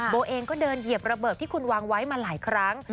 โบเองก็เดินเหยียบระเบิดที่คุณวางไว้มาหลายครั้ง